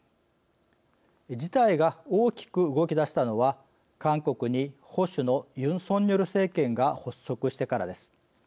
事態が大きく動き出したのは韓国に保守のユン・ソンニョル政権が発足してからです。